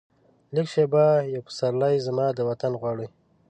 لږه شیبه یو پسرلی، زما د وطن غواړي